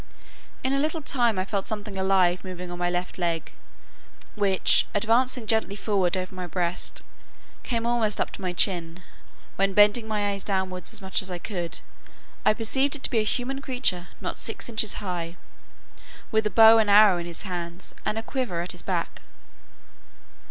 In a little time I felt something alive moving on my left leg, which advancing gently forward over my breast, came almost up to my chin; when, bending my eyes downwards as much as I could, I perceived it to be a human creature not six inches high, with a bow and arrow in his hands, and a quiver at his back.